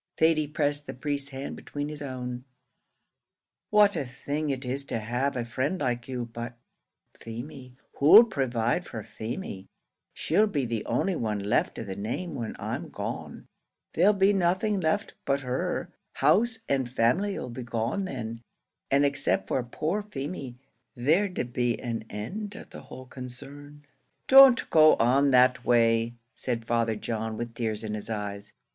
Thady pressed the priest's hand between his own. "What a thing it is to have a friend like you! but Feemy who'll provide for Feemy? she'll be the only one left of the name when I'm gone; there'll be nothing left but her; house and family 'll be gone then, and except for poor Feemy, there'd be an end of the whole concern." "Don't go on that way," said Father John, with tears in his eyes.